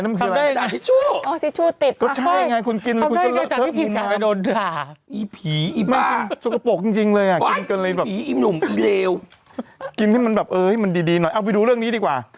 งั้นขึ้นจึงเลยอ่ะยินบาลมันมันดีไว้ดูเรื่องนี้ดีกว่า